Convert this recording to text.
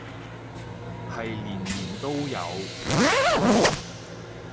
係年年都有